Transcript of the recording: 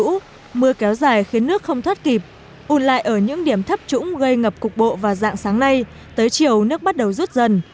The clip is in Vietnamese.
trước tình hình mưa lũ mưa kéo dài khiến nước không thoát kịp ùn lại ở những điểm thấp trũng gây ngập cục bộ và dạng sáng nay tới chiều nước bắt đầu rút dần